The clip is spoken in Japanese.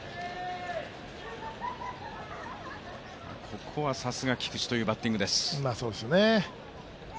ここはさすが菊池というバッティングです。